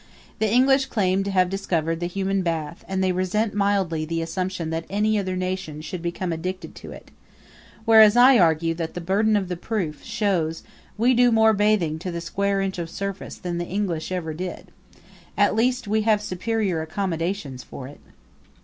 The English claim to have discovered the human bath and they resent mildly the assumption that any other nation should become addicted to it; whereas I argue that the burden of the proof shows we do more bathing to the square inch of surface than the English ever did. At least, we have superior accommodations for it.